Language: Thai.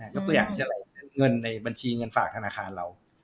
ยกตัวอย่างที่อะไรก็คือเงินในบัญชีเงินฝากธนาคารเรา